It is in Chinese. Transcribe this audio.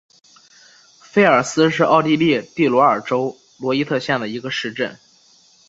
菲尔斯是奥地利蒂罗尔州罗伊特县的一个市镇。